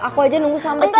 aku aja nunggu sama tiga bulan